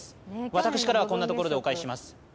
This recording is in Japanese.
私からはこんなところでお返しします。